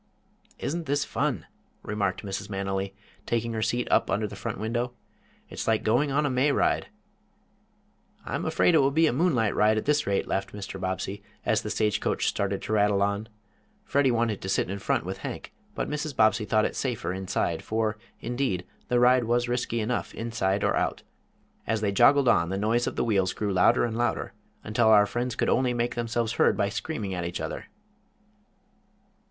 "Isn't this fun?" remarked Mrs. Manily, taking her seat up under the front window. "It's like going on a May ride." "I'm afraid it will be a moonlight ride at this rate," laughed Mr. Bobbsey, as the stagecoach started to rattle on. Freddie wanted to sit in front with Hank but Mrs. Bobbsey thought it safer inside, for, indeed, the ride was risky enough, inside or out. As they joggled on the noise of the wheels grew louder and louder, until our friends could only make themselves heard by screaming at each other.